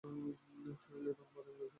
শরীরের রং বাদামী-ধূসর।